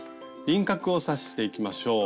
輪郭を刺していきましょう。